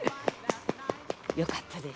よかったです。